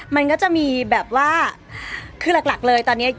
มันก็จะมีแบบว่าคือหลักเลยตอนนี้